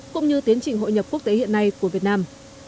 cũng như tiến trình hội nhập quốc tế hiện nay của việt nam